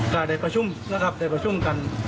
คือเราได้ประชุมกัน